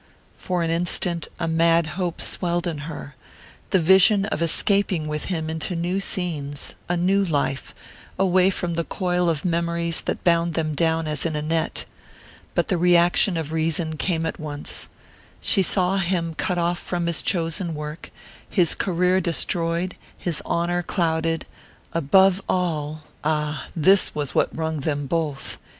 For an instant a mad hope swelled in her the vision of escaping with him into new scenes, a new life, away from the coil of memories that bound them down as in a net. But the reaction of reason came at once she saw him cut off from his chosen work, his career destroyed, his honour clouded, above all ah, this was what wrung them both!